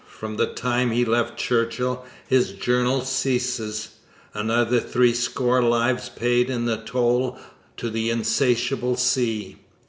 From the time he left Churchill, his journal ceases. Another threescore lives paid in toll to the insatiable sea!